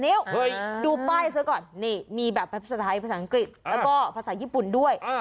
เห้ยดูไป้ซะก่อนนี่มีแบบปราสาทภาษาอังกฤษและก็คือภาษาญี่ปุ่นด้วย